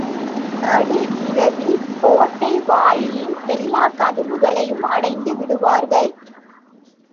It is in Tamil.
நடு இரவில் கோட்டை வாயிலின் எல்லாக் கதவுகளையும் அடைத்து விடுவார்கள்.